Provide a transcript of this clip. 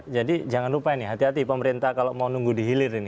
jadi jangan lupa nih hati hati pemerintah kalau mau nunggu dihilir ini